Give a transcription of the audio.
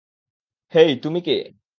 হেই, তুমি কে?